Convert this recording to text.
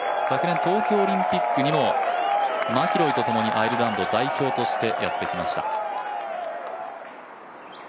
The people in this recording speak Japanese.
昨年の東京オリンピックにもマキロイとともにアイルランド代表としてやってきました。